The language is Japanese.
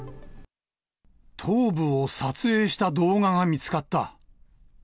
頭部を撮影した動画が見つかった。